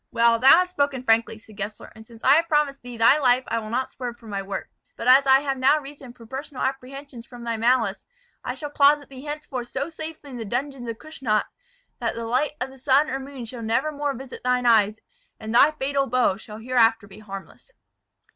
"Well, thou hast spoken frankly," said Gessler; "and since I have promised thee thy life I will not swerve from my word. But as I have now reason for personal apprehensions from thy malice, I shall closet thee henceforth so safely in the dungeons of Kussnacht, that the light of sun or moon shall never more visit thine eyes; and thy fatal bow shall hereafter be harmless."